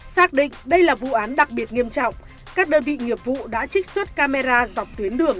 xác định đây là vụ án đặc biệt nghiêm trọng các đơn vị nghiệp vụ đã trích xuất camera dọc tuyến đường